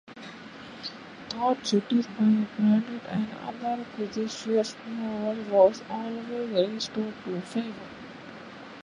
Though criticized by Brandt and other physicians, Morell was always "restored to favor".